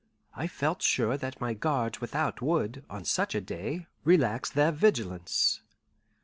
I felt sure that my guards without would, on such a day, relax their vigilance.